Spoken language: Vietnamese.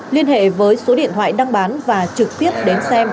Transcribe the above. liên hệ với số điện thoại đăng bán và trực tiếp đến xem